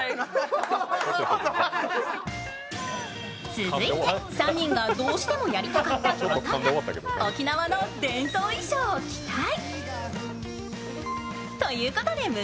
続いて３人がどうしてもやりたかったことが沖縄の伝統衣装を着たい。